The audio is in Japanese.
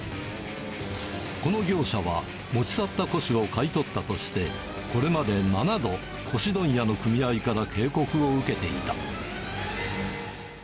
この業者は、持ち去った古紙を買い取ったとして、これまで７度、古紙問屋の組合から警告を受けていた。